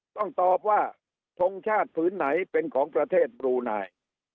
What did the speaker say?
ต้องตอบว่าทงชาติผืนไหนเป็นของประเทศบลูนาย